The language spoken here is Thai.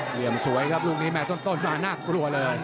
เหลี่ยมสวยครับลูกนี้ฟังมาต้นนั่งเปลว่าเลย